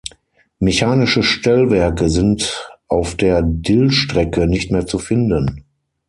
Mechanische Stellwerke sind auf der Dillstrecke nicht mehr zu finden.